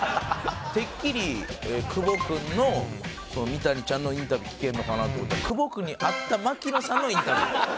てっきり久保君の三谷ちゃんのインタビュー聞けるのかなと思ったら久保君に会った槙野さんのインタビュー。